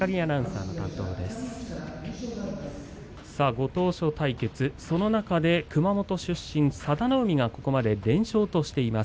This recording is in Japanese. ご当所対決、その中で熊本市出身、佐田の海がここまで４連勝です。